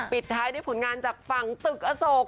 ปิดท้ายด้วยผลงานจากฝั่งตึกอโศก